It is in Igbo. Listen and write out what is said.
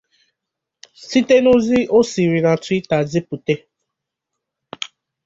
site n’ozi o siri na Twitter zipute.